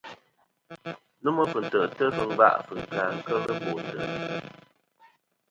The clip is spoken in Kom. Nômɨ fɨ̀ntè'tɨ fɨ ngva fɨ̀ kà kel bo ntè'.